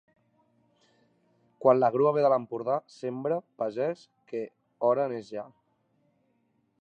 Quan la grua ve de l'Empordà, sembra, pagès, que hora n'és ja.